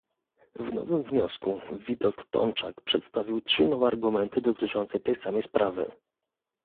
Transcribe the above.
W nowym wniosku Witold Tomczak przedstawił trzy nowe argumenty dotyczące tej samej sprawy